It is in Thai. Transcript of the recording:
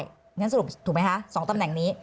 อย่างนั้นสรุปถูกไหมคะสองตำแหน่งนี้